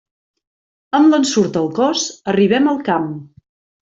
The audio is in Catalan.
Amb l'ensurt al cos arribem al camp.